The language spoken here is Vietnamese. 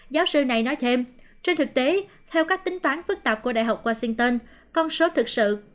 giáo sư này nói thêm trên thực tế theo các tính toán phức tạp của đại học washington con số thực sự